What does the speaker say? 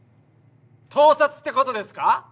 盗撮ってことですか？